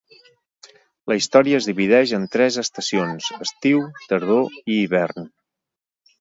La història es divideix en tres estacions: estiu, tardor i hivern.